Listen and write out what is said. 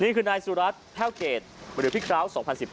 นี่คือนายสุรัสแพร่วเกรดวันเดือนพี่คาว๒๐๑๘